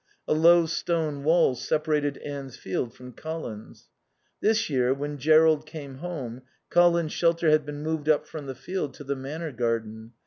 A low stone wall separated Anne's field from Colin's. This year, when Jerrold came home, Colin's shelter had been moved up from the field to the Manor garden.